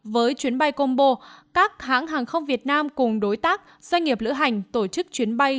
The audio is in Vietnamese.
với chuyến bay combo các hãng hàng không việt nam cùng đối tác doanh nghiệp lữ hành tổ chức chuyến bay